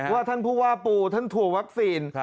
ว่าท่านผู้ว่าปูท่านทัวร์วัคซีน